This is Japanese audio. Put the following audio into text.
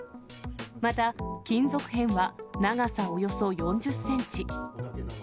また金属片は長さおよそ４０センチ。